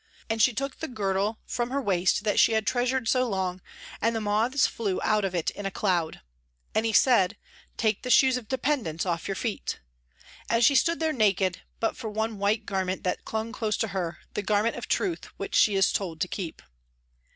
And she took the girdle from her waist that she had treasured so long, and the moths flew out of it in a cloud. And he said, ' Take the shoes of dependence off your feet.' And she stood there naked but for one white garment that clung close to her, the garment of Truth, which she is told to keep.